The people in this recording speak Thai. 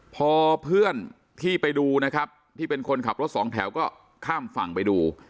พอเพื่อนที่ไปดูนะครับที่เป็นคนขับรถสองแถวก็ข้ามฝั่งไปดู